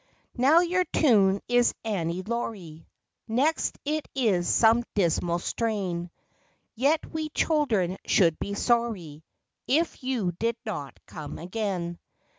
Now your tune is "Annie Laurie;" Next it is some dismal strain, Yet we children should be sorry If you did not come again.